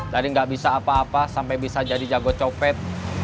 dari enggak bisa apa apa sampai bisa jadi jago nyopet